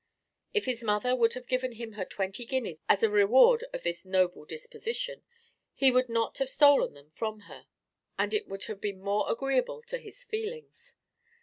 If his mother would have given him her twenty guineas as a reward of this noble disposition, he really would not have stolen them from her, and it would have been more agreeable to his feelings.